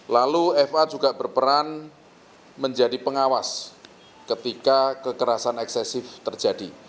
lalu fa juga berperan menjadi pengawas ketika kekerasan eksesif terjadi